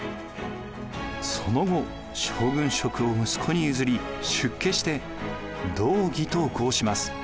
その後将軍職を息子に譲り出家して道義と号します。